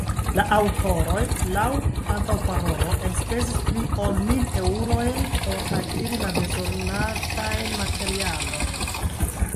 la aŭtoroj laŭ antaŭparolo elspezis pli ol mil eŭrojn por akiri la bezonatajn materialojn.